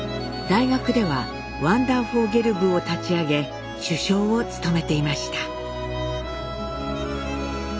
大学ではワンダーフォーゲル部を立ち上げ主将を務めていました。